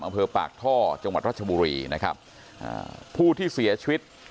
อำเภอปากท่อจังหวัดรัชบุรีนะครับอ่าผู้ที่เสียชีวิต